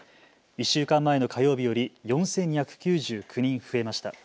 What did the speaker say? １週間前の火曜日より４２９９人増えました。